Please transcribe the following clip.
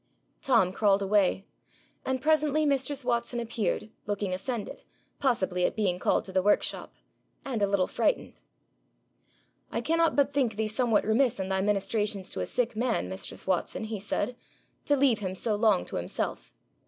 Tom crawled away, and presently mistress Watson appeared, looking offended, possibly at being called to the workshop, and a little frightened. 'I cannot but think thee somewhat remiss in thy ministrations to a sick man, mistress Watson,' he said, 'to leave him so long to himself.